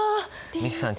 美樹さん